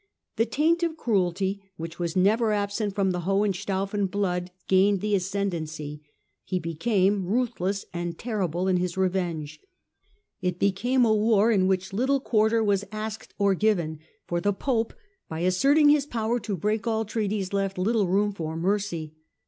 The taint of cruelty which was never absent from the Hohenstaufen blood gained the ascend ancy ; he became ruthless and terrible in his revenge. It became a war in which little quarter was asked or given, for the Pope, by asserting his power to break all treaties, left little room for mercy.